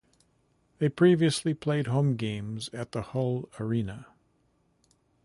They previously played home games at the Hull Arena.